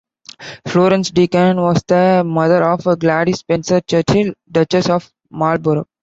Florence Deacon was the mother of Gladys Spencer-Churchill, Duchess of Marlborough.